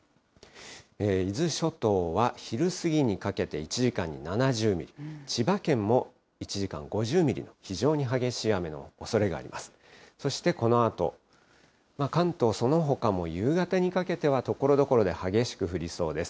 伊豆諸島は昼過ぎにかけて１時間に７０ミリ、千葉県も１時間５０ミリの非常に激しい雨のおそれがあります。